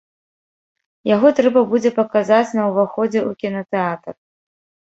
Яго трэба будзе паказаць на ўваходзе ў кінатэатр.